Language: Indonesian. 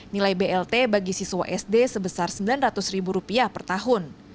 nilai blt bagi siswa sd sebesar rp sembilan ratus per tahun